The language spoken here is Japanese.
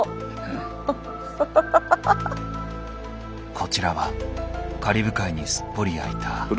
こちらはカリブ海にすっぽりあいた。